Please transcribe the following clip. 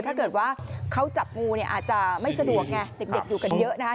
ถ้าเกิดว่าเขาจับงูเนี่ยอาจจะไม่สะดวกไงเด็กอยู่กันเยอะนะคะ